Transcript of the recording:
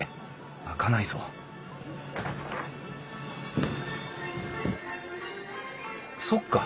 開かないぞそっか。